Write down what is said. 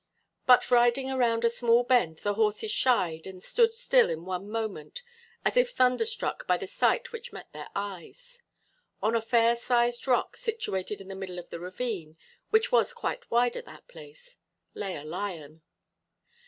But riding around a small bend, the horses shied and stood still in one moment as if thunderstruck by the sight which met their eyes. On a fair sized rock situated in the middle of the ravine, which was quite wide at that place, lay a lion.